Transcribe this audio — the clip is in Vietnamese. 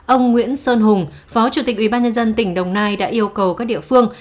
ông nguyễn sơn hùng phó chủ tịch ubnd tỉnh đồng nai đã yêu cầu các địa phương